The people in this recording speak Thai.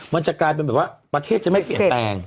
มันจะกลายเป็นแบบว่าประเทศจะไม่เปลี่ยนแปลง